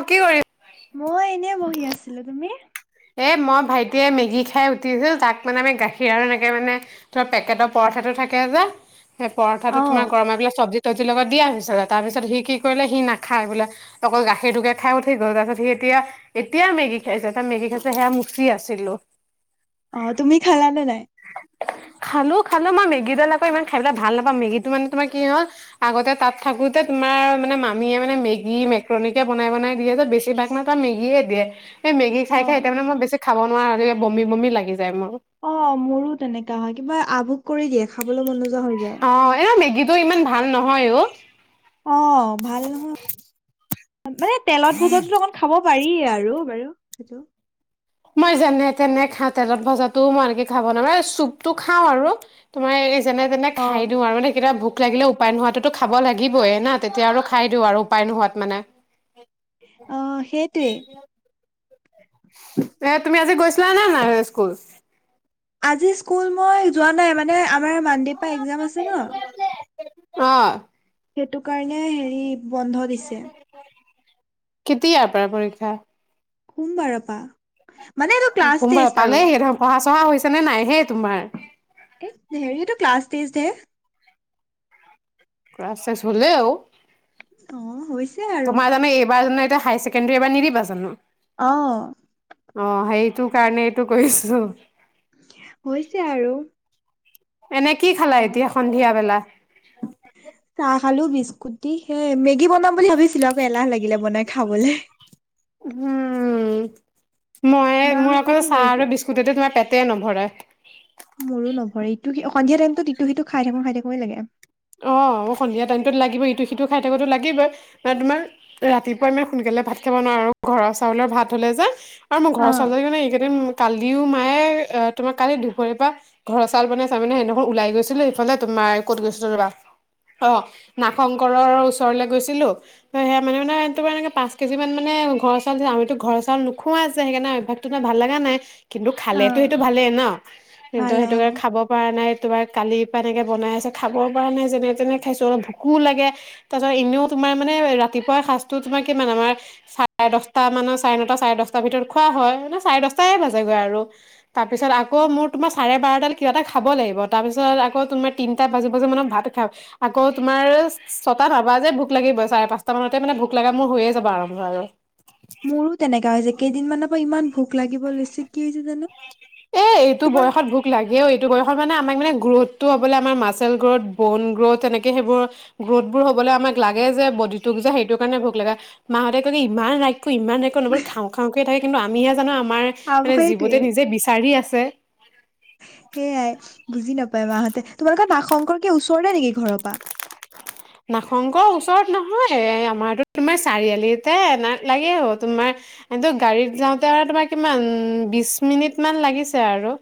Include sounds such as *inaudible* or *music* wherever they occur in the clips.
অ কি কৰি? মই এনেই বহি আছিলোঁ তুমি এ মই ভাইটিয়ে মেগী খাই উঠিছিল তাক মানে আমি গাখীৰ আৰু এনেকে মানে তোমাৰ পেকেটৰ পৰঠাটো থাকে যে সেই পৰঠাটো অ', তোমাৰ গৰমে পিলাক চব্জিত চব্জী লগত দিয়া পিছত তাৰপিছত সি কি কৰিলে সি নাখায় বোলে অকল গাখীৰটোকে খাই উঠাই গল তাৰপিছত এয়া এতিয়া মেগি খাইছে এ মেগি খাই টো সেয়া মুচি আছিলোঁ। অ তুমি খালা নে নাই? খালো খালো মই মেগীডাল আকৌ ইমান খাই পেলাই ভাল নাপাম মেগীটো তোমাৰ কি হ'ল? আগতে তাত থাকোতে তোমাৰ মানে মামীয়ে মানে মেগী মেক্ৰণীকে বনাই বনাই দিয়ে যে বেছি ভাগ মই মেগিয়ে দিয়ে সেই মেগি অ'। খাই খাই এতিয়া মানে মই বেছি খাব নোৱাৰা হলো বমি বমি লাগি যায় মোৰ অ মোৰো তেনেকা হয় কিবা আভোগ কৰি দিয়ে খাবলৈ মন নোযোৱা হৈ যায়। অ এনেও মেগীটো ইমান ভাল নহয়, অহ। অ ভাল নহয় মানে তেলত ভোজাতো অকণ খাব পাৰি আৰু বাৰু সেইটো মই যেনে তেনে খা তেলত ভজাতো মই এনেকে খাব নোৱাৰে চুপতটো খাওঁ আৰু তোমাৰ এই যেনে তেনে খাই অ'। দিওঁ আৰু কেতিয়াবা ভোক লাগিলে উপায় নোহোৱাতো খাব লাগিবই না তেতিয়া আৰু খাই দিওঁ আৰু উপায় নোহোৱাত মানে অ সেইটোৱেই এ তুমি আজি গৈছিলা নে নাই স্কুল? আজি স্কুল মই যোৱা নাই মানে আমাৰ মানডে পৰা এক্জাম আছে ন অঁ, সেইটো কাৰণে হেৰি বন্ধ দিছে। কেতিয়াৰ পৰা পৰীক্ষা সোমবাৰৰপা মানে এইটো ক্লাছ সোমবাৰ টেষ্ট আৰু পালেহি দেখোন পঢ়া চহা হৈছে নে নাই হে তোমাৰ? এ হেৰিটো ক্লাছ টেষ্ট হে ক্লাছ টেষ্ট হ'লেও অ', হৈছে আৰু তোমাৰ জানো এইবাৰ জানো হাইয়াৰ ছেক কিন্তু এইবাৰ নিদিবা জানো। অ, অ সেইটো কাৰণে এইটো কৈছোঁ। হৈছে আৰু এনে কি খালা পঢ়া এতিয়া সন্ধিয়া বেলা? চাহ খালোঁ বিস্কুত দি সে মেগী বনাম বুলি ভাবিছিলোঁ আকৌ এলাহ লাগিলে বনাই খাবলে। উম মই মই মাহঁতে আকৌ কি চাহ কৰিছে? আৰু বিস্কুট মুটতে মানে তোমাৰ পেটে নভৰে। মোৰো নভৰে ইটো সন্ধিয়া টাইমটো ইটো সিটো খাই থাকো খাই থাকোৱে লাগে। অঁ অ সন্ধিয়া টাইমটোত লাগিবই ইটো সিটো খাই থাকিবটো লাগিবই মানে তোমাৰ ৰাতিপুৱা আমি সোনকালে ভাত খাব নোৱাৰো ঘৰৰ চাউলৰ ভাত হলে যে, আৰু মোৰ ঘৰৰ অ', ছোৱালীজনী এইকেইদিন কালিও মায়ে তোমাক কালি দুপৰীৰ পৰা ঘৰ চাউল মানে চাউল মানে এনেকা গৈছিলে এইফালে তোমাৰ ক'ত গৈছিলো ৰবা? অ নাগশংকৰৰ ওচৰলে গৈছিলোঁ? ত সেয়া মানে মানে তোমাৰ এনেকে পাঁচ কেজি মানে ঘৰৰ চাউল আমিটো ঘৰৰ চাউল নোখোৱা যে সেইকাৰণে অভ্যাস ভাল লগা নাই কিন্তু খালেটো অ'। সেইটো ভালেই ন কিন্তু ভাল সেইটো অ'। খাব। কৰা নাই তোমাৰ কালিৰ পৰা এনেকে বনাই আছোঁ খাব পৰা নাই যেনে তেনে খাইছো অলপ ভুকো লাগে। তাৰ পাছত এনেও তোমাৰ মানে ৰাতিপুৱা সাঁজটোত তোমাৰ কিমান আমাৰ। চাৰে দটা মানত চাৰে নটা চাৰে দশটা মানৰ ভিতৰত খোৱা হয় মানে চাৰে দটা বাজেগৈ আৰু তাৰ পিছত আকৌ মোৰ তোমাৰ চাৰে বাৰটা কিবা এটা খাব লাগিব তাৰ পিছত আকৌ তোমাৰ তিনিটা বাজি বাজি মানত ভাত খাওঁ আকৌ তোমাৰ ছটা নবাজে ভোক লাগিব চাৰে পাঁচটা মানতে মানে ভোক লগা মোৰ হৈয়ে যাব আৰম্ভ আৰু মোৰো তেনেকা হৈছে কেইদিনমানৰ পৰা ইমান ভোক লাগিব লৈছে কি হৈছে জানো? এ এইটো তোমাৰ বয়সত ভোক লাগেও এইটো বয়সত মানে আমাক মানে গ্ৰ'থটো হবলে আমাৰ মাচেল গ্ৰোথ, বন গ্ৰোথ, এনেকে সেইবোৰ গ্ৰোথবোৰ হ'বলৈ আমাক লাগে যে বডিটোক যে সেইটোৰ কাৰণে ভোক লাগে। মাহঁতে কলে ইমান ৰাখো ইমান ৰাইখ খাওঁ খাওঁকে থাকে কিন্তু আমিহে জানো আমাৰ আ মানে জীৱতে সেইটোৱে। নিজে বিচাৰি আছে। সেয়াই বুজি নাপায় মাহঁতে তোমালোকৰ নাগ শংকৰকে ওচৰ নেকি ঘৰৰ পৰা নাগ শংকৰ ওচৰত নহয় আমাৰতো তোমাৰ চাৰিআলিতে এ লাগে হ তোমাৰ কিন্তু গাড়ীত যাওঁতে আৰু তোমাৰ কিমান বিশ মিনিট মান লাগিছে আৰু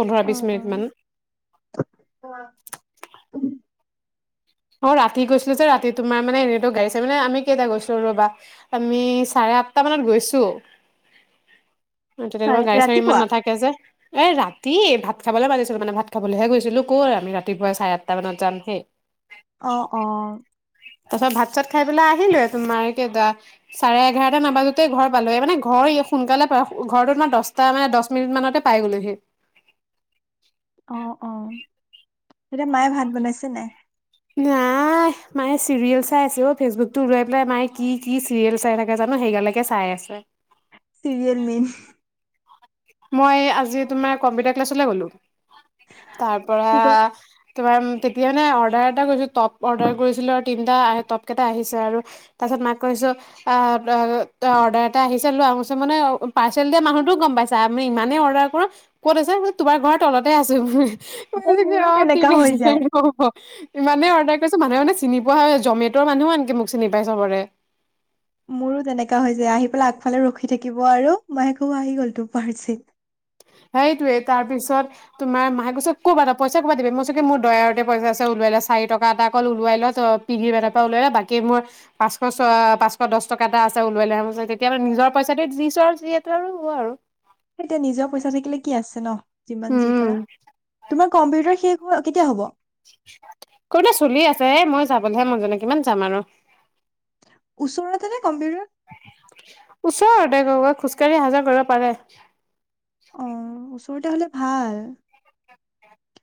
পোন্ধৰ বিশ অ', অ', মিনিটমান। *unintelligible* অ ৰাতি গৈছিলো যে ৰাতি তোমাৰ মানে এনেই গাড়ীত চাবলৈ মানে আমি কেইটা গৈছিলো ৰবা আমি চাৰে আঠটা মানত গৈছোঁ। *inaudible* চাৰে তেতিয়া গাড়ী চাড়ী ইমান ৰাতিপুৱা? নাথাকে যে এ ৰাতি ভাত খাবলৈ মানিছিলো মানে ভাত খাবলৈহে গৈছিলো কত আমি ৰাতিপুৱাই চাৰে আঠটা মানত যাম হে। অ, অ, তাৰ পিছত ভাত চাত খাই পেলাই আহিলো তোমাৰ কেইটা চাৰে এঘাৰটা নাবাজাতে ঘৰ পালোৱে মানে ঘৰ সোনকালে ঘৰটো তোমাৰ দহটা মানে দহ মিনিট মানতে পাই গলোহি অ অ এতিয়া মায়ে ভাত বনাইছে নে নাই? নাই। নাই মায়ে চিৰিয়েল চাই আছে অ ফেচবুক টো উওলাই পেলাই মায়ে কি কি চিৰিয়েল চাই থাকে জানো সেই গালেকে চাই আছে। Serial main. মই আজি তোমাৰ কম্পিউটাৰ ক্লাছলৈ গলো তাৰ পৰা কি কয় তোমাৰ তেতিয়া মানে অৰ্ডাৰ এটা কৰিছিলোঁ টপ অৰ্ডাৰ কৰিছিলোঁ আৰু তিনিটা টপকেইটা আহিছে আৰু তাৰ পিছত মাক কৈছো। অ ত অৰ্ডাৰ এটা আহিছে লোৱা তাৰপাছত মানে পাৰ্চেল দিয়া মানুহতটোও গম পাইছে। আমি মানে ইমানেই অৰ্ডাৰ কৰো ক'ত আছে তোমাৰ ঘৰৰ তলতে আছো। অ, মোৰো অ ঠিক তেনেকা হৈ আছে যায় ক ইমানেই অৰ্ডাৰ কৰিছো মানুহে মানে চিনি পোৱা হয় জমেটৰ মানুহেও আনকি মোক চিনি পাই চবতে। মোৰো তেনেকা হৈ যায় আহি পেলাই আগফালে ৰখি থাকিব আৰু মাই ক'ব আহি গ'ল তোৰ পাৰ্চেল। সেইটোৱে তাৰ পিছত তোমাৰ মাই কৈছে কবা পইচা কপা দিবি মই চাগে মোৰ দয়াৰতে পইচা ওলিয়াই ল' চাৰি টকা এটা অকল ওলাই ল পিন্ধি মেলাৰ পৰাওলাই বাকী মোৰ পাঁচশ ছ পাঁচশ দচ টকা এটা আছে ওলোৱাই লৈ আহ। *unintelligible* তেতিয়াহলে নিজৰ পইচাটোৱে দি দিছো আৱ যিহেতু আৰু হ'ব আৰু। সেইটোৱে নিজৰ পইচা থাকিলে কি আছে ন যিমান যি উম কৰা তোমাৰ কম্পিউটাৰ সেই হল কেতিয়া হ'ব *unintelligible* চলি আছে। মই যাবলেহে মন যোৱা নাই, কিমান যাম আৰু। ওচৰতে নে কম্পিউতাৰ? ওচৰৰতে গৈ গৈ খোজকাঢ়ি অহা যোৱা কৰিব পাৰে অ ওচৰতে হলে ভাল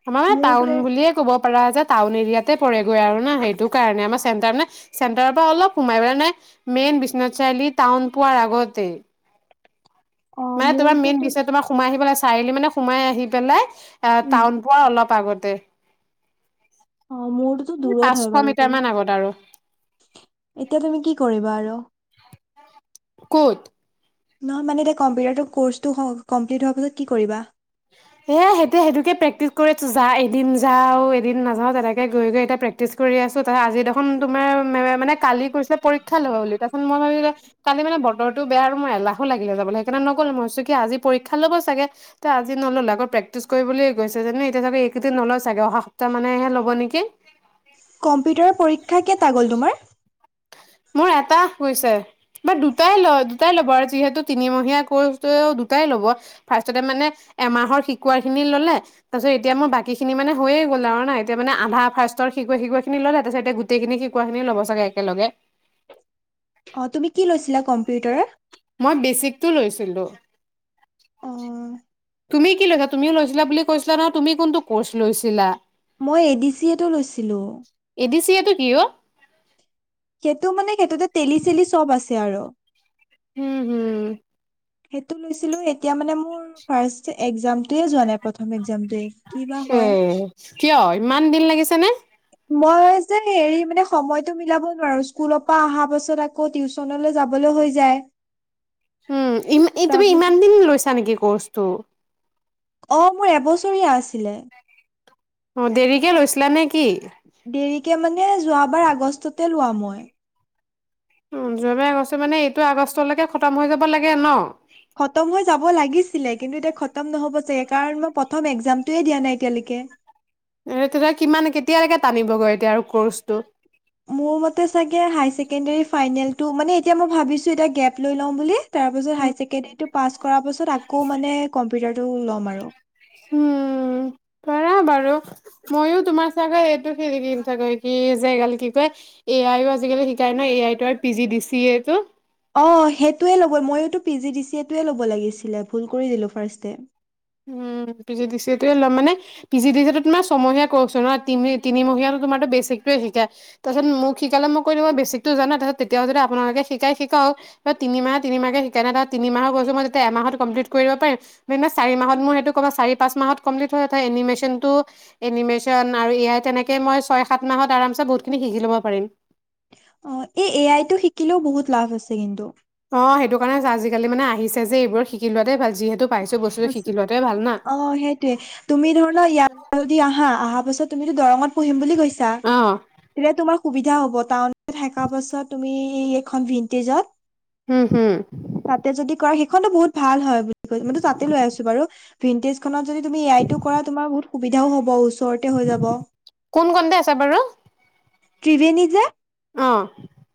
আমাৰ মোৰতো টাউন এই বুলিয়ে ক'ব পাৰা যে, টাউন এৰিয়াতে পৰেগৈ আৰু ন সেইটো কাৰণে। আমা চেণ্টাৰ নাই চেণ্টাৰৰ পৰা অলপ সোমাই পেলাই মানে মেইন বিশ্বনাথ চাৰিআলি টাউন পোৱাৰ আগতেই অ মানে তোমাৰ মেইন মোৰটোতো বিচয় তোমাক সোমাই আহি পেলাই চাৰিআলি মানে সোমাই আহি পেলাই এ উম টাউন পোৱাৰ অলপ আগতে অ মোৰটোতো দূৰত পাঁচশ হয় বাৰু মিটাৰ মান আগত আৰু বহুত এতিয়া তুমি কি কৰিবা আৰু ক'ত নহয় মানে এতিয়া কম্পিউটাৰটো ক'ৰ্চটো কমপ্লিট হোৱা পাছত কি কৰিবা? এই সেইটো সেইটোকে প্ৰেক্টিছ কৰিছো যা এদিন যাও এদিন নাযাও তেনেকে গৈ গৈ এতিয়া প্ৰে প্ৰেক্টিছ কৰি আছো তাৰ আজি দেখোন তোমাৰ মানে কালি কৈছিলে পৰীক্ষা ল'ব বুলি তাৰপিছত মই ভাবিলো কালি মানে বতৰটো বেয়া আৰু মোৰ এলাহো লাগিলে যাবলে। সেইকাণে নগলো মই। ভাবিছো কি, আজি পৰীক্ষা ল'ব চাগে। আজি নল'লে আকৌ প্ৰেক্টিছ কৰিবলৈ কৈছে তেনে এতিয়া নলয় চাগে এইকেইদিন নলয় ছাগে অহা সপ্তাহতে ল'ব নেকি কম্পিউটাৰৰ পৰীক্ষা কেটা গ'ল তোমাৰ? মোৰ এটা হৈছে বা দুটাই লয় দুটাই ল'ব আৰু যিহেতু তিনিমহীয়া কৰ্চটোৱেও দুটাই ল'ব ফাৰ্ষ্টতে মানে এমাহৰ শিকোৱা খিনি ললে তাৰপিছত এতিয়া মোৰ বাকী খিনি মানে হৈয়ে গ'ল আৰু না এতিয়া মানে আধা ফাষ্টৰ শিকোৱা শিকুৱা খিনি ল'লে তাৰপাছত গোটেইখিনিক শিকোৱা খিনি ল'ব ছাগে একেলগে অ তুমি কি লৈছিলা কম্পিউটাৰৰ? মই বেচিকটো লৈছিলো। অ তুমি কি লৈছা তুমিও লৈছিলা বুলি কৈছিলা নহয় তুমি কোনটো কৰ্চ লৈছিলা মই এ ডি চিয়ে ট লৈছিলোঁ। এ ডি চি এটো কি ঔ সেইটো মানে সেইটোতে তেলি চেলি চব আছে আৰু। হুম হুম সেইটো লৈছিলো এতিয়া মানে মোৰ ফাৰ্ষ একজামটোয়ে যোৱা নাই। প্ৰথম একজামটোৱেই কি বা এ হয় কিয় ইমান দিন লাগিছে নে মই যে হেৰি মানে সময়তো মিলাব নোৱাৰো, স্কুল পা আহা পাছত আকৌ টিউ টিউচনলৈ যাবলৈ হৈ যায়। হুম ই এই তুমি ইমান তাৰপিছত দিন লৈছা নেকি কৰ্চটো? অঁ মোৰ এবছৰীয়া আছিলে। অ দেৰিকে লৈছিলা নে কি দেৰিকে মানে যোৱা বাৰ আগষ্টতে লোৱা মই। উম যোৱাবাৰ আগষ্ট মানে এইটো আগষ্টলৈকে খতম হৈ যাব লাগে ন খতম হৈ যাব লাগিছিলে কিন্তু এতিয়া খতম নহব যে, কাৰণ মই প্ৰথম একজামটোৱে দিয়া নাই এতিয়ালৈকে। এ তেতিয়া কিমান কেতিয়ালৈকে টানিবগৈ এতিয়া আৰু কৰ্চটো মোৰ মতে চাগে হাই ছেকেণ্ডেৰি ফাইনেলটো মানে এতিয়া মই ভাবিছো এতিয়া গেফ্ট লৈ লওঁ বুলি তাৰ পাছত হায় ছেকেণ্ডৰী টো পাছ কৰাৰ পাছত আকৌ মানে কম্পিউটাৰ টো ল'ম আৰু উম কৰা বাৰু। ময়ো তোমাৰ চাগে এইটো খেলি দিম চাগৈ কি যে এই গাল কি কয়? এ আইও আজিকালি শিকাই নয় এ আই আৰু P G D C A টো? অ সেইটোৱে ল'ব ময়োতো P G D C A টোৱে ল'ব লাগিছিলে ভুল কৰি দিলো ফাৰ্ষ্টে। উম P G D C A ল'ম। মানে- P G D C A টো তোমাৰ ছমহীয়া কৰ্চ হয় ন, তিনি তিনিমহীয়াতো তোমাৰতো বেছিকটোৱে শিকাই। তাৰপিছত মোক শিকালে মই কই দিম বেছিকতো জনোৱে তাৰ পাছত তেতিয়াও যদি আপোনালোকে শিকাই শিকাওক। তিনি মাহে তিনিমাহে শিকাই নহয় তিমাহৰ কৰ্চটো মই যেতিয়া এমাহত কম্লিট কৰি দিব পাৰিম। মানে- চাৰি মাহত মোৰ সেইটো কৰা চাৰি পাঁচ মাহত কমপ্লিট হৈ উঠা এনিমেচনটো- এনিমেচন আৰু এ আই তেনেকে মই ছয় সাত মাহত আৰামছে বহুতখিনি শিকি ল'ব পাৰিম। অ এই এ আই টো শিকিলেও বহুত লাভ আছে কিন্তু। অ সেইটো কাৰণে হৈছে আজিকালি মানে আহিছে যে এইবোৰ শিকি লোৱাতে ভাল। যিহেতু- পাইছো বস্তুটো শিকি লোৱাটোৱে ভাল না অ সেইটোৱে। তুমি ধৰা ন ইয়াৰ- আহা আহা পাছত তুমিটো দৰংত পঢ়িম বুলি কৈছা। অ তেতিয়া তোমাৰ সুবিধা হব। কাৰণ- থকা পাছত তুমি এইখন ভিন্টেজত। হম হম। তাতে যদি কৰা সেইখনতো বহুত ভাল হয় বুলি কৈছে মইটো তাতে লৈ আছো বাৰু। ভিণ্টেজ- খনত যদি তুমি এ আই টো কৰা তুমাৰ বহুত সুবিধাও হ'ব ওচৰতে হৈ যাব। কোন খনতে আছে বাৰু? ত্ৰিবেণী যে- অ'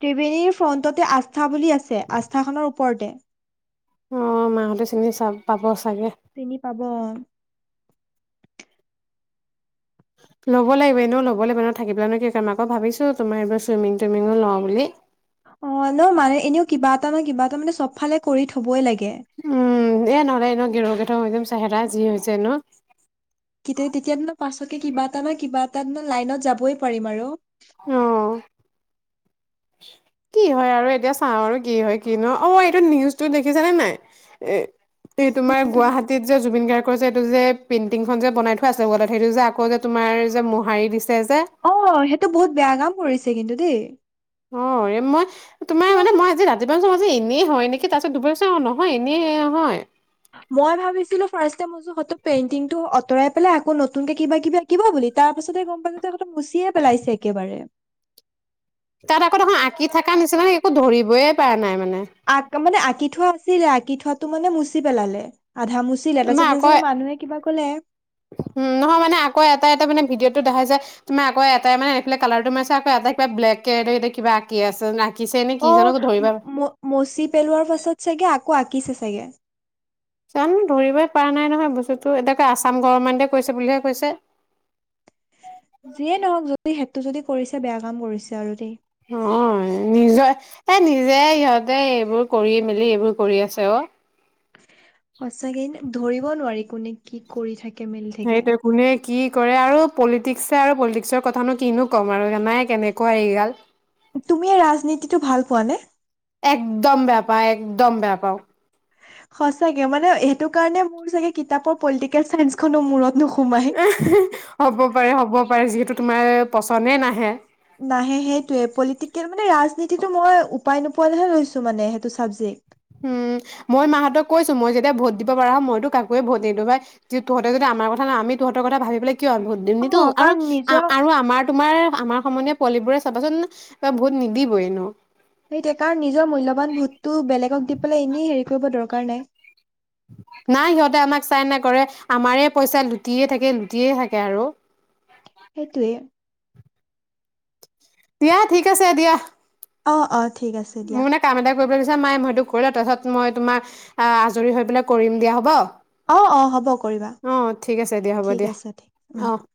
ত্ৰিবেণীৰ ফ্ৰণ্টতে আস্থা বুলি আছে আস্থাখনৰ ওপৰতে। অ মাহতে চিনি চা পাব চাগে। চিনি পাব। ল'ব লাগিব এনেও' লবলে বাৰু থাকিপেলাইনো কি কৰিম আকৌ ভাবিছোঁ তোমাৰ এইবাৰ চুইমিং টুইমিঙো লওঁ বুলি। অ নহয় মানে এনেও কিবা এটা ন কিবা এটা মানে চব ফালে কৰি থবই লাগে। উম এ নহ'লে এনো গেৰৌ গেথওঁ হৈ যাম চোহেৰা যি হৈছে ন। কেতি তেতিয়াটো মই পাছতকে কিবা এটা ন কিবা এটা ন লাইনত যাবই পাৰিম আৰু। অ' কি হয় আৰু এতিয়া চাওঁ আৰু কি হয় কি ন। অ এইটো নিউজটো দেখিছেনে নাই? এ তে তোমাৰ গুৱাহাটীত যে- জুবিন গাৰ্গৰ যে এইটো যে পেইণ্টিংখন যে বনাই থোৱা আছে ৱালত সেইটো যে আকৌ যে তোমাৰ যে মোহাৰি দিছে যে। অ সেইটো বহুত বেয়া কাম কৰিছে কিন্তু দেই। অ মই তো- কিয় বা? আজি ৰাতিপুৱা ভাবিছোঁ যে এনেই হয় নেকি তাৰপিছত দুপৰীয়া চাওঁ নহয় এনেই হয়। মই ভাবিছিলো ফাৰ্ষ্টে মই ভাবিছোঁ হয়তো পেইণ্টিংটো আঁতৰাই পেলাই আকৌ নতুনকে কিবা কিবা- কিবা বুলি তাৰ পাছতে গম পালোঁ যে একদম মোচিয়ে পেলাইছে একেবাৰে। তাত আকৌ দেখোঁ আঁকি থাকা নিচিনা একো ধৰিবইে পৰা নাই মানে। আঁক মানে আঁকি থোৱা আছিলে আঁকি থোৱাটো মানে মুচি পেলালে। আধা মুচি- চিলে তাৰ পাছত নহয় আকৌ দেখিছো মানুহে কিবা কলে। উম নহয় মানে আকৌ এটা এটা মানে ভিডিঅ'তটো দেখাই যে- তুমাৰ আকৌ এটাই মানে এইফালে কালাৰটো মাৰিছে আকৌ এটা কিবা ব্লেককে কিবা আঁকি আছে না- আঁকিছে নে কি অ জানো একো ধৰিব- ম- মচি পেলোৱাৰ পাছত চাগে আকৌ আঁকিছে চাগে। জানোঁ ধৰিবই পৰা নাই নহয় বস্তুটো এতিয়াকে আছাম গভৰ্মেণ্টে কৰিছে বুলিহে কৈছে। যিয়ে নহওক যদি সেইটো যদি কৰিছে বেয়া কাম কৰিছে আৰু দেই। অ' নিজৰ এ নিজে সিহঁতে এইবোৰ কৰি মেলি এইবোৰ কৰি আছে অ সঁচাকে ধৰিব নোৱাৰি কোনে কি কৰি থাকে, মেলি থাকে। সেইটোৱে কোনে কি কৰে আৰু পলিটিক্সে আৰু পলিটিক্সৰ কথানো কিনো ক'ম আৰু নাই কেনেকুৱা এইগাল। তুমি এই ৰাজনীতিটো ভাল পোৱা নে? একদম বেয়া পাওঁ, একদম বেয়া পাওঁ। সঁচাকে মানে সেইটো কাৰণে মোৰ চাগে কিতাপৰ পলিটিকেল চাইন্সখনো মূৰত নোসোমায়। হ'ব পাৰে হ'ব পাৰে যিহেতু তোমাৰ পচনে নাহে। নাহে, সেইটোৱে পলিটিকেল মানে ৰাজনীতিটো মই উপায় নোপোৱাতহে লৈছো মানে সেইটো চাবজেক্ট। উম' মই মাহঁতক কৈছোঁ। মই যেতিয়া ভোট দিব পাৰা হ'ম মইতো কাকয়ে ভোট নিদু পাই। তহঁতে যদি আমাৰ কথা নহ আমি তহঁতৰ কথা ভাবি পেলাই কিয় ভোট দিম অ নিদোও আৰু কাৰণ নিজৰ আৰু আমাৰ তোমাৰ আমাৰ সমনীয়া পোৱালিবোৰে চাবাচোন ভোট নিদিবই এনো। সেইটোয়ে কাৰণ নিজৰ মূল্যবান ভোটটো বেলেগক দি পেলাই এনেই হেৰি কৰিব দৰকাৰ নাই। নাই সিহঁতে আমাক চাই নকৰে আমাৰে পইচা লুটিয়ে থাকে, লুটিয়ে থাকে আৰু সেইটোৱে দিয়া ঠিক আছে দিয়া। অ' অ' ঠিক আছে দিয়া। মোৰ মানে কাম এটা কৰিব দিছে মাই মই সেতো কৰিলও তাৰপিছত মই তোমাৰ আহ' আজৰি হৈ পেলাই কৰিম দিয়া হব। অ অ হ'ব কৰিবা অ' ঠিক আছে দিয়া হ'ব ঠিক দিয়া আছে ঠিক উম অ'।